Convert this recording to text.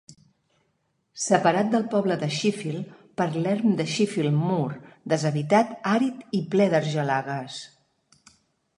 Separat del poble de Sheffield per "l'erm de Sheffield Moor, deshabitat, àrid i ple d'argelagues".